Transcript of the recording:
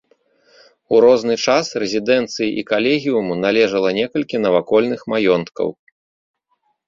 У розны час рэзідэнцыі і калегіуму належала некалькі навакольных маёнткаў.